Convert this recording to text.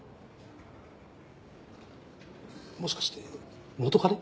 もしかして元カレ？